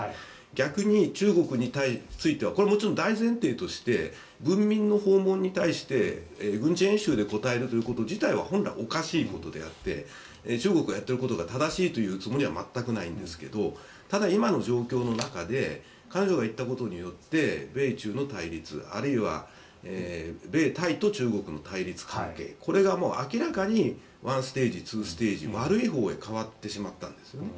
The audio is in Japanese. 逆に中国についてはこれもちろん、大前提として文民の訪問に対して軍事演習で応えるということ自体は本来、おかしいことであって中国がやっていることが正しいという言うつもりは全くないんですがただ、今の状況の中で彼女が行ったことによって米中の対立、あるいは米台と中国の対立関係これが明らかにワンステージ、ツーステージ悪いほうへ変わってしまったんですよね。